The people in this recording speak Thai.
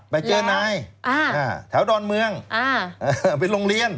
ไปเจอนายแถวดอนเมืองเป็นโรงเรียน